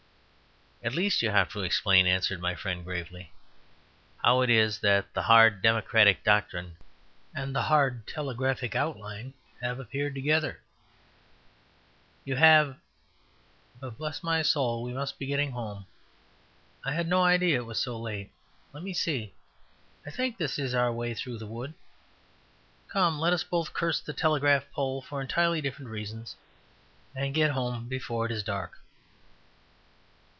"At least you have to explain," answered my friend gravely, "how it is that the hard democratic doctrine and the hard telegraphic outline have appeared together; you have... But bless my soul, we must be getting home. I had no idea it was so late. Let me see, I think this is our way through the wood. Come, let us both curse the telegraph post for entirely different reasons and get home before it is dark."